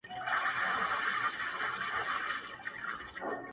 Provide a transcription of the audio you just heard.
دا ستا خبري او ښكنځاوي گراني .